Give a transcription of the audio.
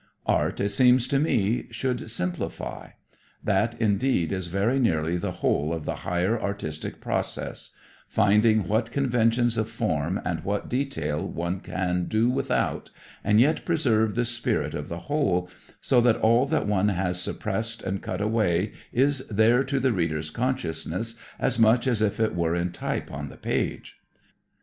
Art, it seems to me, should simplify. That, indeed, is very nearly the whole of the higher artistic process; finding what conventions of form and what detail one can do without and yet preserve the spirit of the whole so that all that one has suppressed and cut away is there to the reader's consciousness as much as if it were in type on the page.